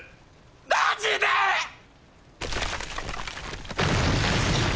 マジでッ。